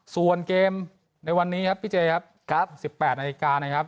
ส่วนเกมในวันนี้ครับพี่เจครับกราฟ๑๘นาฬิกานะครับ